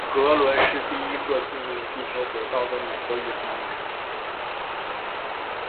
格伦是第一个进入地球轨道的美国宇航员。